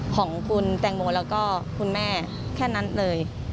ของคุณแตงโมแล้วก็คุณแม่แค่นั้นเลย